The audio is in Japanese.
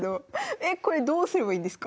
えこれどうすればいいんですか？